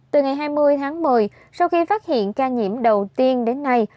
từ ngày hai mươi tháng một mươi sau khi phát hiện ca nhiễm đầu tiên đến nay